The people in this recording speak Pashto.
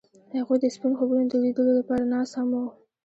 هغوی د سپین خوبونو د لیدلو لپاره ناست هم وو.